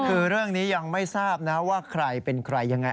คือเรื่องนี้ยังไม่ทราบนะว่าใครเป็นใครยังไง